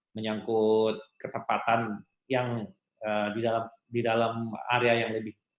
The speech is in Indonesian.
menyangkut ketepatan yang di dalam area yang lebih